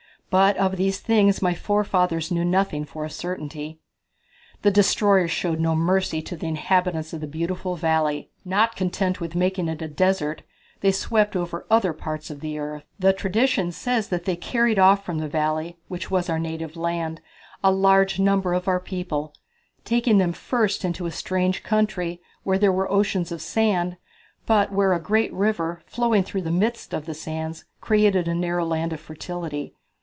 But of these things my forefathers knew nothing for a certainty." "The destroyers showed no mercy to the inhabitants of the beautiful valley. Not content with making it a desert, they swept over other parts of the earth." "The tradition says that they carried off from the valley, which was our native land, a large number of our people, taking them first into a strange country, where there were oceans of sand, but where a great river, flowing through the midst of the sands, created a narrow land of fertility.